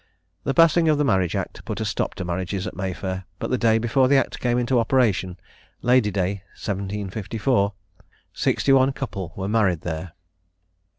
The passing of the Marriage Act put a stop to the marriages at May Fair; but the day before the Act came into operation (Lady day 1754) sixty one couple were married there.